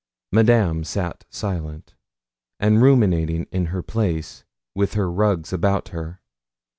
Madame sat silent, and ruminating in her place, with her rugs about her.